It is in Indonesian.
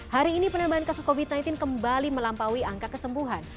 hari ini penambahan kasus covid sembilan belas kembali melampaui angka kesembuhan